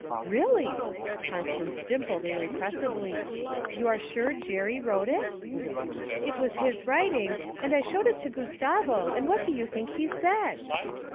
'Really!' Constance dimpled irrepressibly. 'You are sure Jerry wrote it?' 'It was his writing; and I showed it to Gustavo, and what do you think he said?'